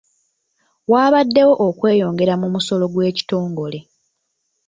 Wabaddewo okweyongera mu musolo gw'ekitongole.